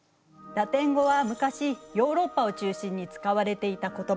ラテン語は昔ヨーロッパを中心に使われていた言葉。